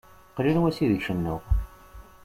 Qlil wass ideg cennuɣ.